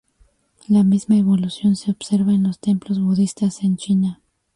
La misma evolución se observa en los templos budistas en China.